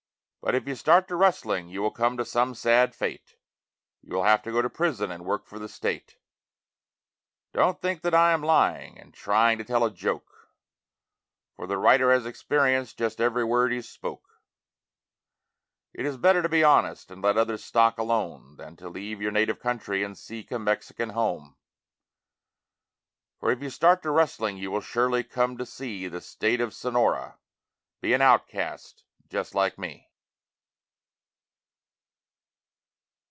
But if you start to rustling you will come to some sad fate, You will have to go to prison and work for the state. Don't think that I am lying and trying to tell a joke, For the writer has experienced just every word he's spoke. It is better to be honest and let other's stock alone Than to leave your native country and seek a Mexican home. For if you start to rustling you will surely come to see The State of Sonora, be an outcast just like me.